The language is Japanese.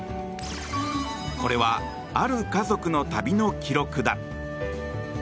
これは、ある家族の旅の記録だ。